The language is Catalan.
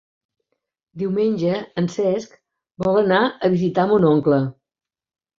Diumenge en Cesc vol anar a visitar mon oncle.